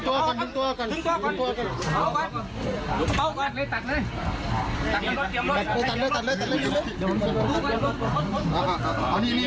จะขอคำบัดข่าวให้ไปข้างหลังการเชียวข้างหลังนี้